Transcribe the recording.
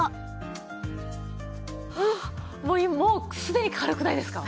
もうすでに軽くないですか？